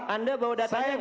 anda bawa datanya gak